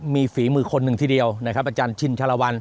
มีฝีมือคนหนึ่งทีเดียวนะครับอาจารย์ชินชาลวัน